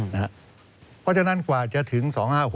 เพราะฉะนั้นกว่าจะถึง๒๕๖๖